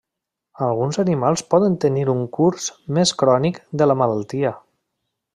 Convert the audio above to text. Alguns animals poden tenir un curs més crònic de la malaltia.